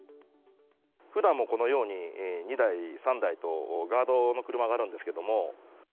ふだんもこのように、２台、３台と、ガードの車があるんですけども。